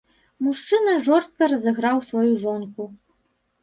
Мужчына жорстка разыграў сваю жонку.